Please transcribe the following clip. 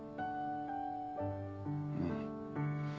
うん